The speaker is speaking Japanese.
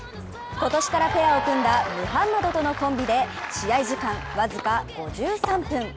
今年からペアを組んだムハンマドとのコンビで、試合時間、僅か５３分。